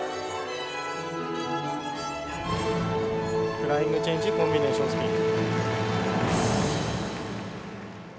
フライングチェンジコンビネーションスピン。